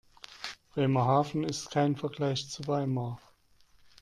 Bremerhaven ist kein Vergleich zu Weimar